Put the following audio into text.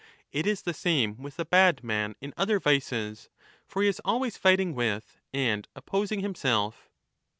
It is the same with the bad man in other vices. For he is always fighting with and opposing himself.